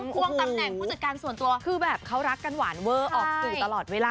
ควงตำแหน่งผู้จัดการส่วนตัวคือแบบเขารักกันหวานเวอร์ออกสื่อตลอดเวลา